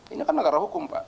ini kan negara hukum pak